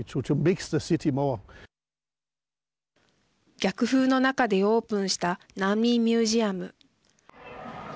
逆風の中でオープンした難民ミュージアム。